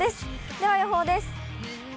では、予報です。